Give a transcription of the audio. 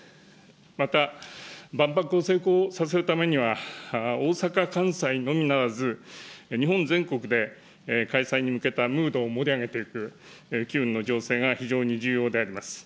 また、万博を成功させるためには、大阪、関西のみならず、日本全国で開催に向けたムードを盛り上げていく機運の情勢が非常に重要であります。